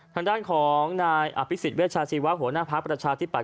ทางด้านของนายอภิษฎเวชาชีวะหัวหน้าภักดิ์ประชาธิปัต